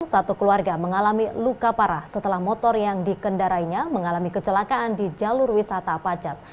satu keluarga mengalami luka parah setelah motor yang dikendarainya mengalami kecelakaan di jalur wisata pacet